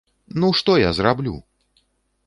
Ну што я зраблю?!